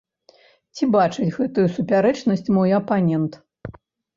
Ці бачыць гэтую супярэчнасць мой апанент?